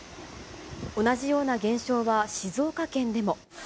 同じような現象は静岡県でも。